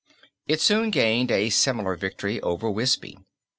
It soon gained a similar victory over Wisby.